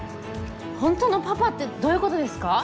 本当のパパってどういうことですか？